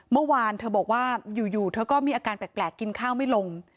เมื่อวานเธอบอกว่าอยู่เธอก็มีอาการแปลกกินข้าวไม่ลง